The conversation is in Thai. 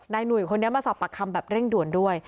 หนุ่ยคนนี้มาสอบปากคำแบบเร่งด่วนด้วย